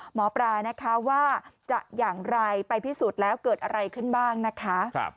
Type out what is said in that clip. หมอปลานะคะว่าจะอย่างไรไปพิสูจน์แล้วเกิดอะไรขึ้นบ้างนะคะ